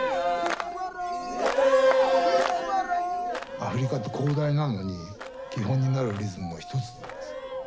アフリカって広大なのに基本になるリズムは一つなんです。